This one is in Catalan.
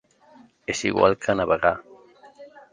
És igual que navegar.